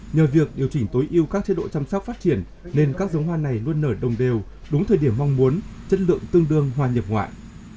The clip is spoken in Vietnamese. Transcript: nhờ việc điều chỉnh tối ưu các chế độ chăm sóc phát triển nên các giống hoa này luôn nở đồng đều đúng thời điểm mong muốn chất lượng tương đương hoa nhập ngoại